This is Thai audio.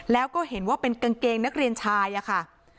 แล้วก็เห็นว่าเป็นกางเกงนักเรียนชายอะค่ะ